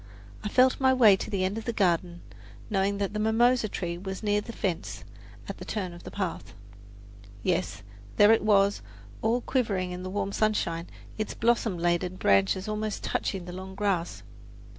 I felt my way to the end of the garden, knowing that the mimosa tree was near the fence, at the turn of the path. Yes, there it was, all quivering in the warm sunshine, its blossom laden branches almost touching the long grass.